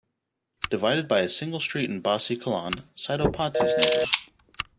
Divided by a single street is Bassi Kalan, Saido Patti's neighbor.